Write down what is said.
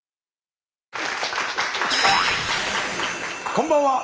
こんばんは！